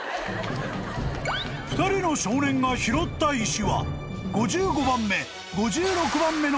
［２人の少年が拾った石は５５番目５６番目の］